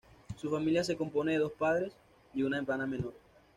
Su familia se compone de sus padres y una hermana menor.